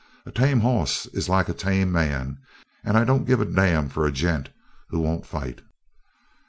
"A tame hoss is like a tame man and I don't give a damn for a gent who won't fight."